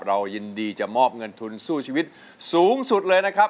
เรายินดีจะมอบเงินทุนสู้ชีวิตสูงสุดเลยนะครับ